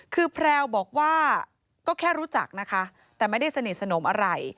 คือแพรวบอกว่าก็แค่รู้จักนะคะแต่ไม่ได้สนิทสนมอะไร